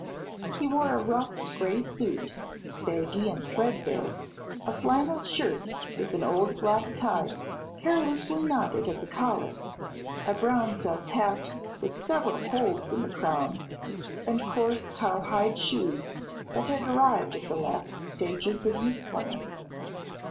He wore a rough gray suit, baggy and threadbare, a flannel shirt with an old black tie carelessly knotted at the collar, a brown felt hat with several holes in the crown, and coarse cowhide shoes that had arrived at the last stages of usefulness.